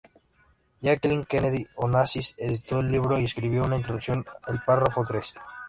Jacqueline Kennedy Onassis editó el libro y escribió una introducción el párrafo tres.